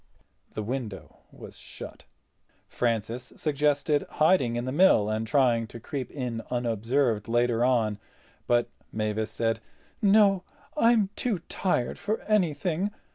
The window was shut. Francis suggested hiding in the mill and trying to creep in unobserved later on, but Mavis said: "No. I'm too tired for anything.